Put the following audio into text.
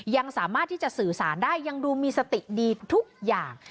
ยังสามารถที่จะสื่อสารได้ยังดูมีสติดีทุกอย่าง